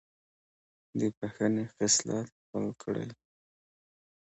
د بښنې خصلت خپل کړئ.